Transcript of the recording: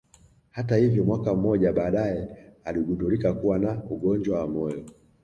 Hata hivyo mwaka mmoja baadaye aligundulika kuwa na ugonjwa wa moyo